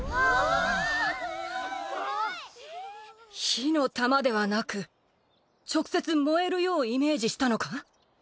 火の玉ではなく直接燃えるようイメージしたのか？